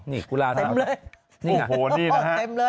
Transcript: นี่กุราสาวทอม